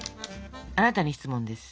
あなたに質問です。